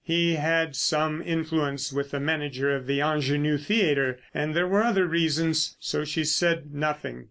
He had some influence with the manager of the Ingenue Theatre, and there were other reasons. So she said nothing.